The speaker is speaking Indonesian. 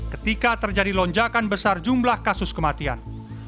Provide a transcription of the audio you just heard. ketika terjadi lonjakan besar jumlah kasus kematian